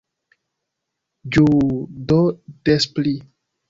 Ĝuu do des pli!